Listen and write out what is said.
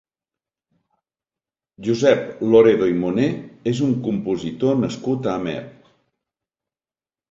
Josep Loredo i Moner és un compositor nascut a Amer.